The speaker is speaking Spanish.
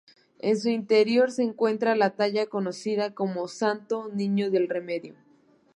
En su interior se encuentra la talla conocida como Santo Niño del Remedio.